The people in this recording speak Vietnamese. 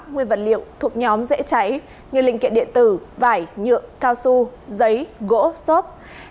nguyên vật liệu thuộc nhóm dễ cháy như linh kiện điện tử vải nhựa cao su giấy gỗ xốp